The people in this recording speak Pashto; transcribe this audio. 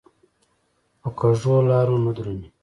په کږو لارو نه درومي.